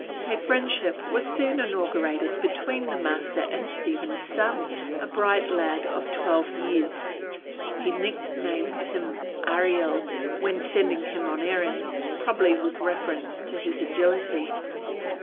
A friendship was soon inaugurated between the master and Stephen's son, a bright lad of twelve years. He nicknamed him Ariel, when sending him on errands, probably with reference to his agility.